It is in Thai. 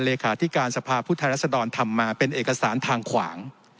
งานเลขาที่การสภาพุทธรรษดรทำมาเป็นเอกสารทางขวาง